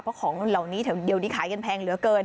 เพราะของเหล่านี้แถวเดียวที่ขายกันแพงเหลือเกิน